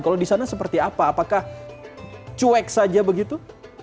kalau di sana seperti apa apakah cuek saja begitu